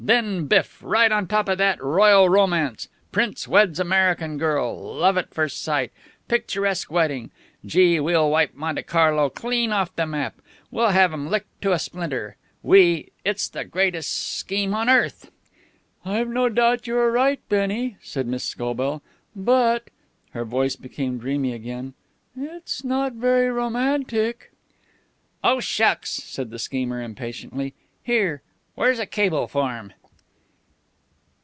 Then, biff! right on top of that, Royal Romance Prince Weds American Girl Love at First Sight Picturesque Wedding! Gee, we'll wipe Monte Carlo clean off the map. We'll have 'em licked to a splinter. We It's the greatest scheme on earth." "I have no doubt you are right, Bennie," said Miss Scobell, "but " her voice became dreamy again "it's not very romantic." "Oh, shucks!" said the schemer impatiently. "Here, where's a cable form?"